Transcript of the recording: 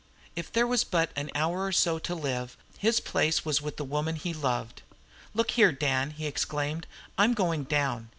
If there was but an hour or so to live, his place was with the woman he loved. "Look here, Dan!" he exclaimed. "I'm going down!